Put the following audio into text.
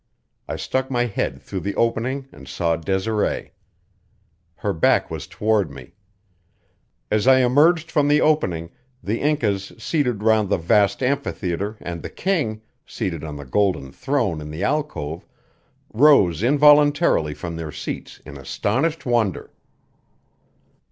I stuck my head through the opening and saw Desiree. Her back was toward me. As I emerged from the opening the Incas seated round the vast amphitheater and the king, seated on the golden throne in the alcove, rose involuntarily from their seats in astonished wonder.